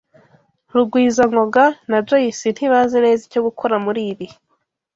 Rugwizangoga na Joyce ntibazi neza icyo gukora muri ibi.